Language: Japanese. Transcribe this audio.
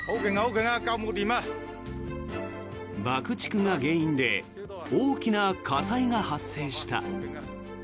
爆竹が原因で大きな火災が発生した。